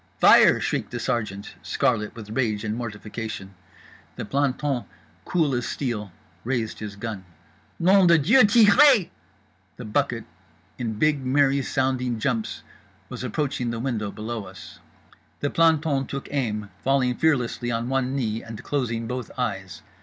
"FIRE!" shrieked the sergeant, scarlet with rage and mortification. The planton, cool as steel, raised his gun. "NOM DE DIEU TIREZ!" The bucket, in big merry sounding jumps, was approaching the window below us. The planton took aim, falling fearlessly on one knee, and closing both eyes.